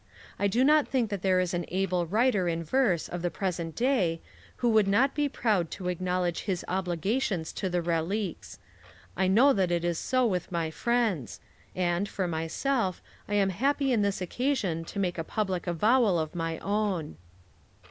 I do not think that there is an able writer in verse of the present day who would not be proud to acknowledge his obligations to the Reliques; I know that it is so with my friends; and, for myself, I am happy in this occasion to make a public avowal of my own.